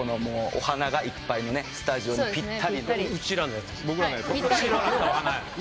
お花がいっぱいのスタジオにぴったりの。